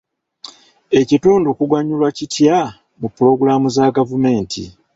Ekitundu kuganyulwa kitya mu pulogulaamu za gavumenti?